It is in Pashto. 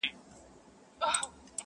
مبارک دي سه فطرت د پسرلیو,